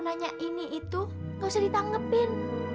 vestesi kamu kan ketat bangkit